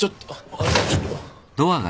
あっちょっと。